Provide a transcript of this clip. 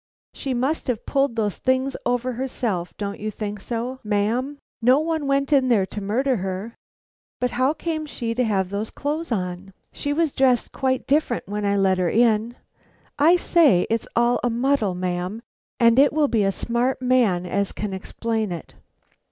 "She must have pulled those things over herself, don't you think so, ma'am? No one went in there to murder her. But how came she to have those clothes on. She was dressed quite different when I let her in. I say it's all a muddle, ma'am, and it will be a smart man as can explain it."